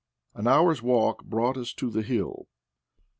An hour's walk brought us to the hill.